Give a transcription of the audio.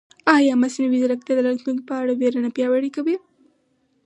ایا مصنوعي ځیرکتیا د راتلونکي په اړه وېره نه پیاوړې کوي؟